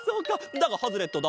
だがハズレットだ！